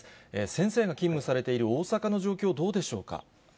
先生が勤務されている大阪の状況、どうでしょうか。